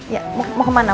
ya mau kemana